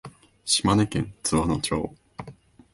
島根県津和野町